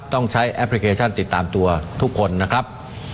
ต้องใช้แอปพลิเคชันติดตามตัวทุกคนนะครับ